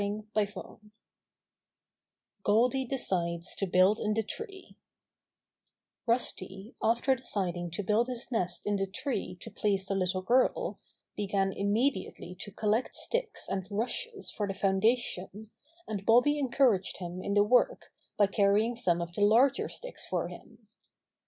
STORY VI GoLDY Decides to Build in the Tree Rusty, after deciding to build his nest in the tree to please the little girl, began immediately to collect sticks and rushes for the foundation, and Bobby encouraged him in the work by carrying some of the larger sticks for him.